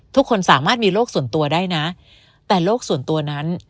ทุกคนสามารถมีโรคส่วนตัวได้นะแต่โลกส่วนตัวนั้น